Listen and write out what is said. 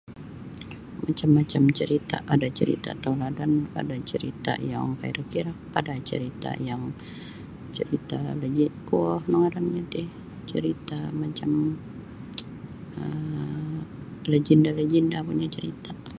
Macam-macam carita, ada carita tauladan, ada carita yang makairak-irak, ada carita yang carita kuo no ngarannyo ti carita macam um lagenda-lagenda punya carita.